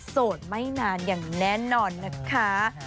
โสดไม่นานอย่างแน่นอนนะคะ